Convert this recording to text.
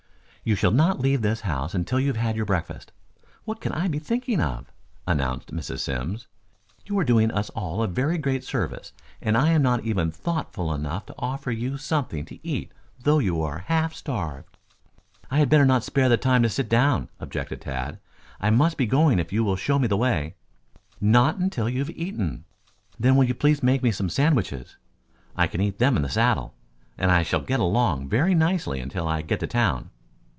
"You shall not leave this house until you have had your breakfast. What can I be thinking of?" announced Mrs. Simms. "You are doing us all a very great service and I am not even thoughtful enough to offer you something to eat though you are half starved." "I had better not spare the time to sit down," objected Tad. "I must be going if you will show me the way." "Not until you have eaten." "Then, will you please make me some sandwiches? I can eat them in the saddle, and I shall get along very nicely until I get to town.